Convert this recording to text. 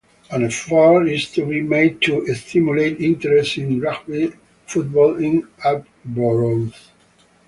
An effort is to be made to stimulate interest in rugby football in Arbroath.